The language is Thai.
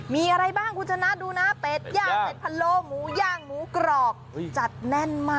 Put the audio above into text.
มีอะไรบ้างกูจะนัดดูนะ